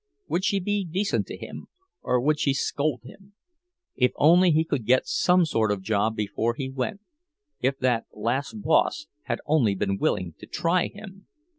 Would she be decent to him, or would she scold him? If only he could get some sort of a job before he went—if that last boss had only been willing to try him!